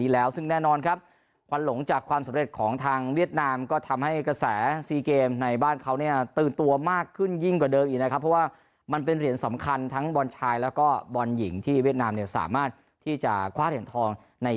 แล้วก็บรรยิ่งที่เวียดนามเนี่ยสามารถที่จะคว้าเห็นทองใน